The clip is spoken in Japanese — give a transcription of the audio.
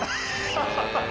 ハハハ！